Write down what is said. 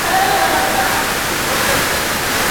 ولي هڅاند سړی د تکړه سړي په پرتله لاره اسانه کوي؟